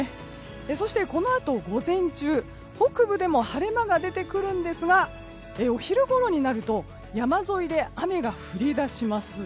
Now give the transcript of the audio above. そしてこのあと午前中北部でも晴れ間が出てくるんですがお昼ごろになると山沿いで雨が降り出します。